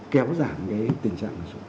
kéo giảm cái tình trạng này xuống